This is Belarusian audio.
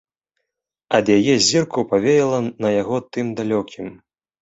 Ад яе зірку павеяла на яго тым далёкім.